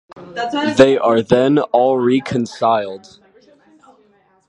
They are then all reconciled.